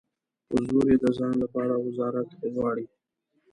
په زور یې د ځان لپاره وزارت غواړي.